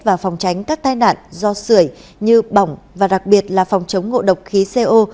và phòng tránh các tai nạn do sửa như bỏng và đặc biệt là phòng chống ngộ độc khí co